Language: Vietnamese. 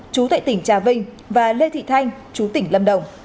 chú tại tỉnh trà vinh và lê thị thanh chú tỉnh lâm đồng